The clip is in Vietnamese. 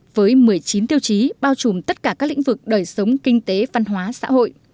với một mươi chín tiêu chí bao trùm tất cả các lĩnh vực đời sống kinh tế văn hóa xã hội